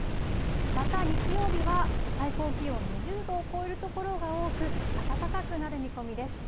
また日曜日は、最高気温２０度を超える所が多く、暖かくなる見込みです。